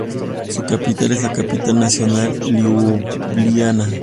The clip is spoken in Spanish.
Su capital es la capital nacional Liubliana.